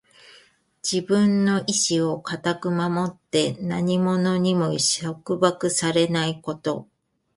自分の意志を固く守って、何者にも束縛されないこと。